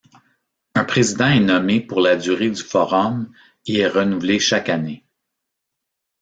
Un président est nommé pour la durée du Forum et est renouvelé chaque année.